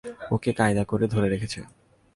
ওকে কায়দা করে ধরে রেখেছে।